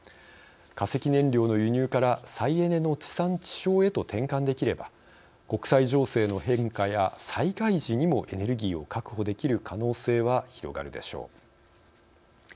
化石燃料の輸入から再エネの地産地消へと転換できれば国際情勢の変化や災害時にもエネルギーを確保できる可能性は広がるでしょう。